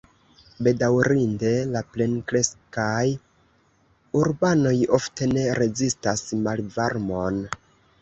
Bedaŭrinde la plenkreskaj urbanoj ofte ne rezistas malvarmon.